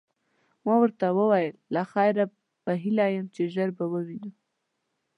ما ورته وویل: له خیره، په هیله یم چي ژر به ووینو.